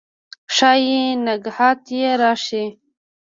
ښايي نګهت یې راشي